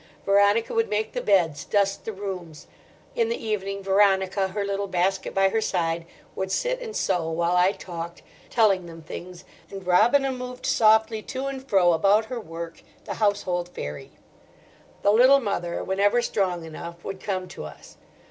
Veronica would make the beds, dust the rooms. In the evening Veronica, her little basket by her side, would sit and sew while I talked, telling them things, and Robina moved softly to and fro about her work, the household fairy. The Little Mother, whenever strong enough, would come to us.